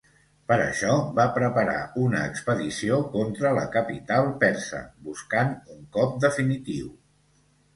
Per això, va preparar una expedició contra la capital persa, buscant un cop definitiu.